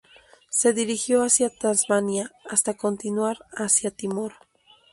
Se dirigió hacia Tasmania hasta continuar hacia Timor.